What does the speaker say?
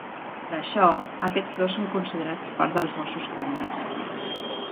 Per això, aquests dos són considerats part dels ossos cranials.